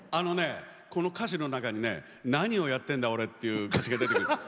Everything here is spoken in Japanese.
この歌詞の中に「何をやってんだ俺」っていう歌詞が出てくる。